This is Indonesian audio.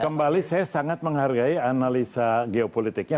kembali saya sangat menghargai analisa geopolitiknya